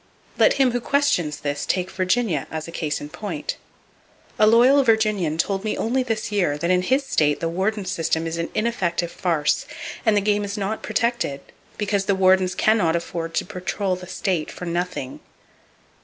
Let him who questions this take Virginia as a case in point. A loyal Virginian told me only this year that in his state the warden system is an ineffective farce, and the game is not protected, because the wardens can not afford to patrol the state for nothing.